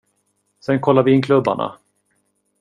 Sen kollar vi in klubbarna.